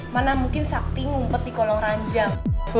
mana mungkin sakti ngumpet di kolong ranjang